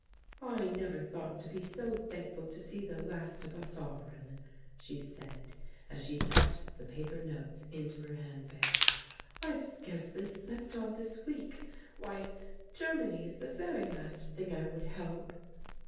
"I never thought to be so thankful to see the last of a sovereign," she said, as she tucked the paper notes into her handbag. "I've scarcely slept all this week. Why, Germany is the very last thing I would help!"